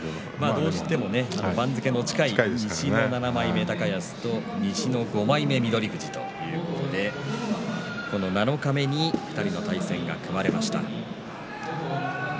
どうしても番付が近い西の７枚目高安と西の５枚目翠富士ということでこの七日目に２人の対戦が組まれました。